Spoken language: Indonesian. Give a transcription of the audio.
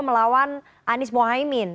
melawan anies mohaimin